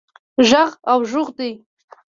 ږغ او ږوغ دی.